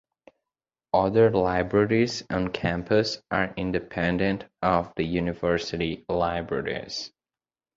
Other libraries on campus are independent of the University Libraries.